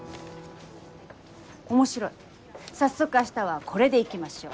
面白い早速明日はこれでいきましょう。